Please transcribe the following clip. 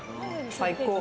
最高！